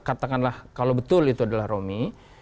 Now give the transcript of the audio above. katakanlah kalau betul itu adalah romi